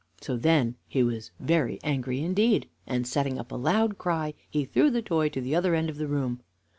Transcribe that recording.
So then he was very angry indeed, and, setting up a loud cry, he threw the toy to the other end of the room.